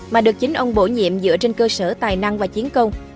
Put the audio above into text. mà được chính ông bổ nhiệm dựa trên cơ sở tài năng và chiến công